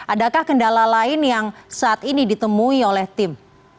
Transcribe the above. adakah kendala lain yang saat ini ditemui oleh tim